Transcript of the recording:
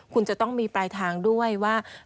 คุณจะต้องมีปลายทางด้วยว่า